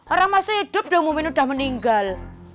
orang masih hidup dan ngumumin udah meninggal